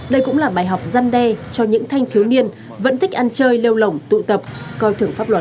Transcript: đây cũng là bài học dăn đe cho những thanh thường niên vẫn thích ăn chơi leo lỏng tụ tập coi thưởng pháp luật